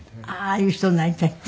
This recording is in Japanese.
ああいう人になりたいって？